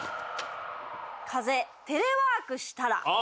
風「テレワークしたら」。